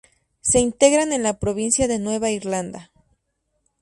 Se integran en la Provincia de Nueva Irlanda.